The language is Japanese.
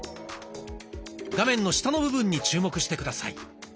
画面の下の部分に注目して下さい。